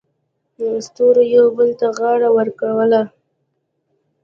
ستورو یو بل ته غاړه ورکوله.